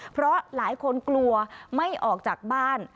เพราะหลายคนกลัวไม่ออกจากบ้าน